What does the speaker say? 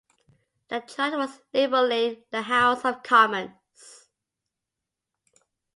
The charge was libelling the House of Commons.